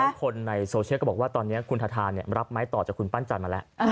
แล้วคนในโซเชียลก็บอกว่าตอนนี้คุณทาทารับไม้ต่อจากคุณปั้นจันทร์มาแล้ว